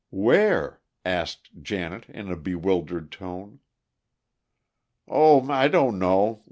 "Where?" asked Janet in a bewildered tone. "Oh, I don't know.